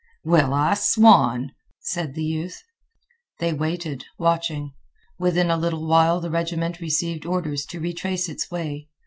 "Well, I swan!" said the youth. They waited, watching. Within a little while the regiment received orders to retrace its way.